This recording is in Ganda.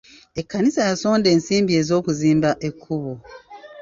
Ekkanisa yasonda ensimbi e'zokuzimba ekkubo.